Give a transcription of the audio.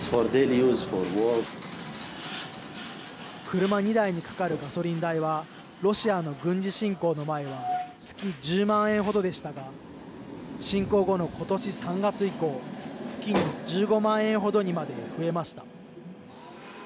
車２台に、かかるガソリン代はロシアの軍事侵攻の前は月１０万円ほどでしたが侵攻後の、ことし３月以降月に１５万円ほどにまで増えました。